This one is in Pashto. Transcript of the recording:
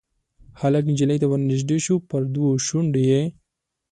هلک نجلۍ ته ورنیژدې شو پر دوو شونډو یې